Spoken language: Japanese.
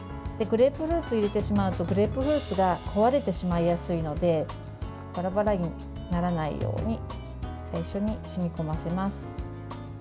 グレープフルーツを入れてしまうとグレープフルーツが壊れてしまいやすいのでバラバラにならないように最初にしみこませます。